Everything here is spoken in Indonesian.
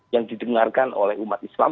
yang didengarkan oleh umat islam